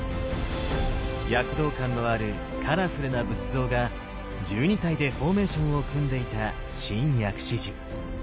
躍動感のあるカラフルな仏像が１２体でフォーメーションを組んでいた新薬師寺。